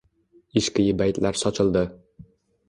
Ishqiy baytlar sochildi.